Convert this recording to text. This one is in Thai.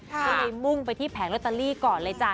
ก็เลยมุ่งไปที่แผงโรตาลีก่อนเลยจ้ะ